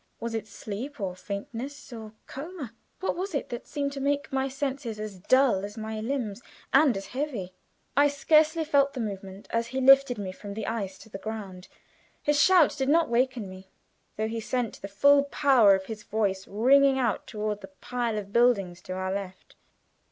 Was it sleep or faintness, or coma? What was it that seemed to make my senses as dull as my limbs, and as heavy? I scarcely felt the movement, as he lifted me from the ice to the ground. His shout did not waken me, though he sent the full power of his voice ringing out toward the pile of buildings to our left.